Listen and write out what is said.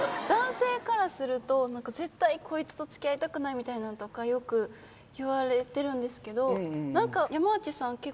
男性からすると絶対こいつと付き合いたくないみたいなのよく言われてるんですけど何か山内さん